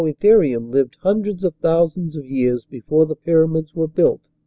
Yet the Arsinoitherium lived hundreds of thousands of years before the pyramids were built.